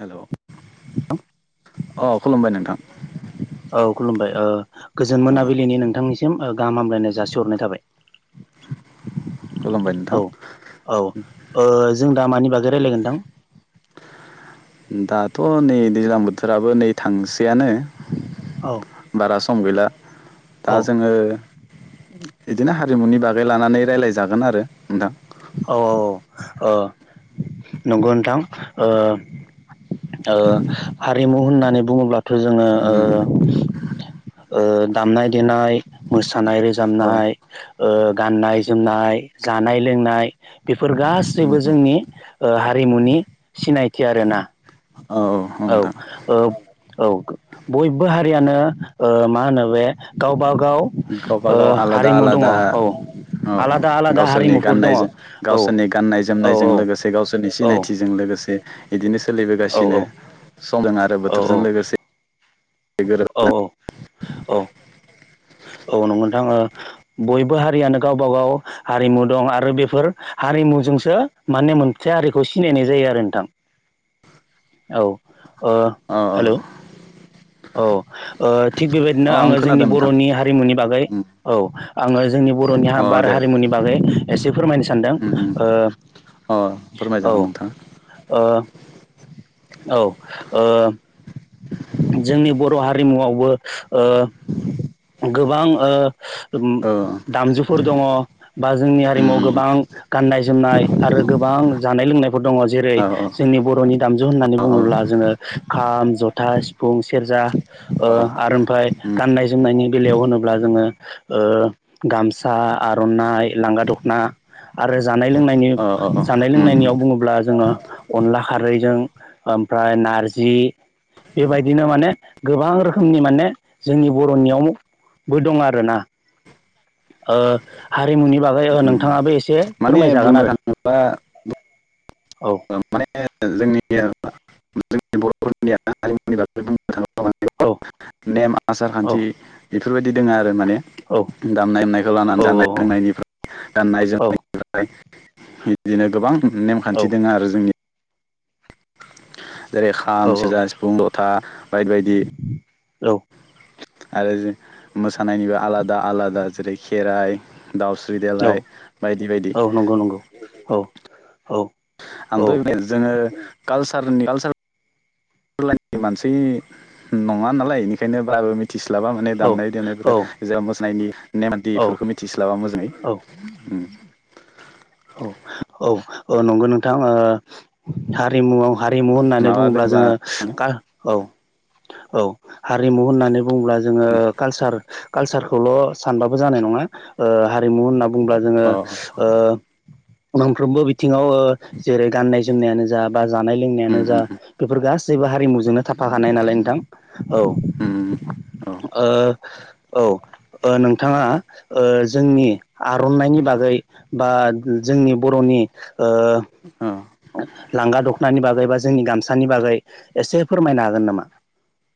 Hello अ खुलुमबाय नोंथां औ खुलुमबाय ओ गोजोन अ मोनाबिलिनि नोंथांनिसिम गाहाम हामलायनाय जासिहरनाय थाबाय खुलुमबाय औ नोंथां औ ओ जों दा मानि बागै रायलायगोन नोंथां दाथ' नै दैज्लां बोथोराबो नै थांसैआनो औ बारा सम गैला दा औ जोङो बिदिनो हारिमुनि बागै लानानै रायज्लायजागोन आरो नोंथां औ औ औ ओ नंगौ नोंथां ओ ओ हारिमु होननानै बुङोब्लाथ' जोङो ओ उम ओ दामनाय देनाय मोसानाय औ रोजाबनाय ओ गाननाय जोमनाय जानाय लोंनाय बेफोर गासैबो जोंनि ओ हारिमुनि सिनायथि आरोना औ औ नोंथां औ औ बयबो हारियानो ओ मा होनो बे गावबा गाव गावबा ओ गाव आलादा हारिमु दंङ आलादा औ औ आलादा आलादा गावसोरनि हारिमुफोर गाननाय दंङ जोम गावसोरनि गाननाय जोमनायजों लोगोसे गावसोरनि औ सिनायथिजों लोगोसे इदिनो औ सोलिबोगासिनो समजों आरो बोथोरजों लोगोसे गोरोब औ औ औ [inaudible] औ नंगौ नोंथां ओ बयबो हारियानो गावबा गाव हारिमु दं आरो बेफोर हारिमु जोंसो माने मोनसे हारिखौ सिनायनाय जायो आरो नोंथां औ ओ अ हेलौ औ ओ थिग अ बेबायदिनो आं आंङो जोंनि खोनादों नोंथां बर'नि हारिमुनि बागै औ आंङो जोंनि बर'नि अ बार दे हारिमुनि बागै बागै एसे फोरमायनो सानदों उम उम ओ अ फोरमाय औ जागोन नोंथां ओ औ ओ जोंनि बर' हारिमुआवबो ओ गोबां ओ उम औ दामजु फोर दंङ बा जोंनि उम हारिमुाव उम गोबां गाननाय जोमनाय आरो गोबां जानाय लोंनाय दंङ जेरै औ जोंनि बर'नि दामजु होननानै औ बुङोब्ला जोङो खाम जथा सिफुं सेरजा ओ औ आरो ओमफ्राय गाननाय जो जोमनायनि बेलायाव होनोब्ला जोङो ओ गामसा आर'नाइ लांगा दख'ना आरो जानाय लोंनायनि औ औ जानाय उम लोंनायनियाव बुङोब्ला जोङो अनला खारैजों ओमफ्राय नारजि बेबायदिनो माने गोबां रोखोमनि माने जोंनि बर'नियावबो दं आरोना ओ हारिमुनि बागै उम नोंथाङाबो एसे माने फोरमायजागोन बुंनो आरो थाङोब्ला औ माने जोंनिया जोंनि बर'फोरनि हारिमुनि बागै औ [unintelligible] [unintelligible] नेम आसार औ खान्थि बेफोरबायदि दंङ आरो माने औ दामनाय देमनायखौ लानानै जनाय औ जोंनायनिफ्राय गाननाय औ जोमनायनिफ्राय बिदिनो गोबां औ नेमखान्थि दंङ आरो जोंनि जेरै खाम सेरजा सिफुं जथा बाय बायदि औ आरो मोसानायनिबो आलादा आलादा जेरै खेराइ दाउस्रि औ देलाय बायदि बायदि औ नंगौ नंगौ औ औ औ ओमफ्राय जोङो कालसारनि कालसार [unintelligible] लायेननि मानसि नङा नालाय इनिखायनो बारा मिथि स्लाबा माने दामनाय देनायफोरा जेराव मोसानायनि नेमखान्थि औ इफोरखौ मिथिस्लाबा मोजाङै औ औ औ औ नंगौ नोंथां हारिमुआव हारिमु होननानै माबा बुङोब्ला दोङोबा जोङो खारल औ [inaudible] औ हारिमु होननानै बुङोब्ला जोङो कालसार कालसारखौल' सानबाबो जानाय नङा ओ हारिमु होनना बुंङोब्ला जोङो अ ओ मोनंफ्रोमबो बिथिङाव ओ जेरै गाननाय जोमनायानो जा बा जानाय लोंनायानो जा बेफोर गासैबो हारिमुजोंनो थाफाखानाय नालाय नोंथां औ ओ औ ओ नोंथाङा ओ जोंनि आर'नाइनि बागै बा जोंनि बर'नि ओ अ अ लांगा दख'नानि बागै बा जोंनि गामसानि बागै एसे फोरमायनो हागोन नामा?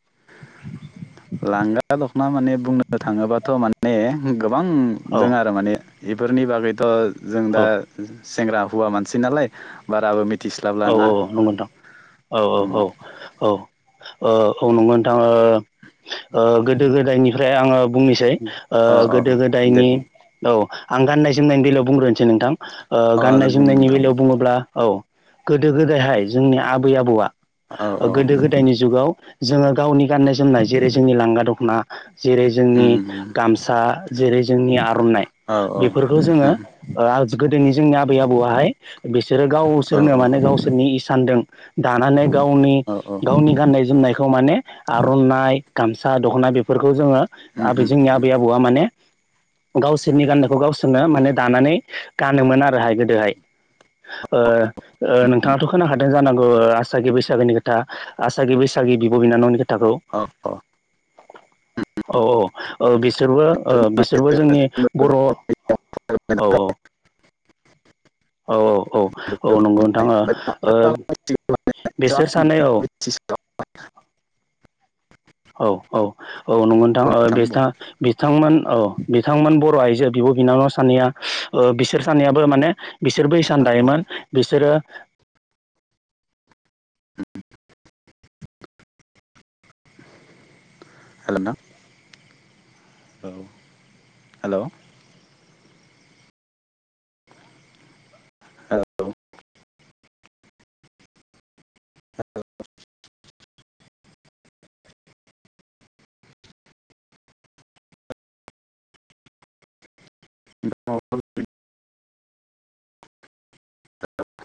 [inaudible] लांगा दख'ना माने बुंनो थाङोबाथ' माने गोबां औ दङ आरो माने बेफोरनि बागैथ' जों दा औ सेंग्रा हुवा मानसि नालाय बाराबो मि औ औ औ नंगौ नोंथां औ औ उम औ औ ओ औ नंगोन नोंथां। ओ ओ गोदो गोदायनिफ्राय आङो बुंनोसै ओ अ अ गोदो दे गोदायनि बुं औ आं गाननाय जोमनायनि बेलायाव बुंग्रोनोसै नोंथां। ओ अ दे गाननाय बुं जोमनायनि नोंथां बुं बेलायाव बुङोब्ला औ गोदो गोदायहाय जोंनि आबै आबौआ औ औ गोदो गोदायनि जुगाव जोङो गावनि गाननाय जोमनाय जेरै जोंनि लांगा दख'ना जेरै जोंनि उम उम गामसा जेरै जोंनि आर'नाइ औ औ उम बेफोरखौ जोङो ओ [unintelligible] दिनै जोंनि आबै आबौआाहाय बिसोरो औ गावसोरनो माने गावसोरनि इसानजों दानानै गावनि औ औ उम गावनि गाननाय जोमनायखौ माने आर'नाइ गामसा दख'ना बेफोरखौ जोङो आबै उम जोंनि उम आबै आबौआ माने गावसोरनि गाननायखौ गावसोरनो माने दानानै गानोमोन आरोहाय गोदोहाय। ओ ओ नोंथाङाथ' खोनाखादों जानांगौ आसागि बैसागोनि खोथा आसागि बैसागि बिब' बिनानावनि खो औ औ। औ औ ओ बिसोरबो ओ बिसोरबो जोंनि बर' औ [unintelligible] औ औ। औ औ नंगौ नोंथाङो ओ ओ बिसोर सानै औ। [inaudible] औ औ औ नंगौ नोंथां ओ बिथांमोन औ बिथांमोन बर' आइजो बिब' बिनानाव सानैया ओ बिसोर सानैयाबो माने बिसोर बैसान दायोमोन बिसोरो हागोनना? औ हेल'। हेल'। [unintelligible] [unintelligible] [unintelligible]